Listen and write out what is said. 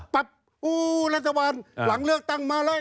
ปั๊บอู๋รัฐบาลหลังเลือกตั้งมาแล้ว